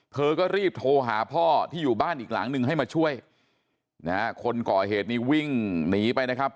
เธอก็รีบโทรหาพ่อที่อยู่บ้านอีกหลังหนึ่งให้มาช่วยนะฮะคนก่อเหตุนี้วิ่งหนีไปนะครับ